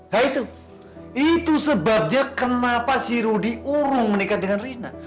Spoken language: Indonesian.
nah itu itu sebabnya kenapa si rudi urung menikah dengan rina